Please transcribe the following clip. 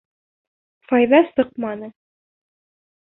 Файҙа сыҡманы.